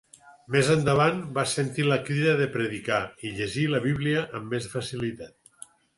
Més endavant va sentir la crida de predicar i llegir la Bíblia amb més facilitat.